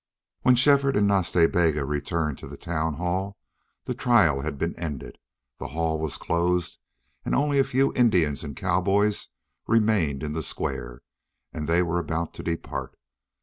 When Shefford and Nas Ta Bega returned to the town hall the trial had been ended, the hall was closed, and only a few Indians and cowboys remained in the square, and they were about to depart.